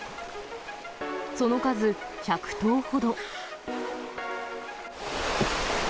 その数、１００頭ほど。